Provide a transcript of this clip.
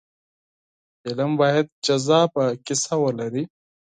فلم باید جذابه کیسه ولري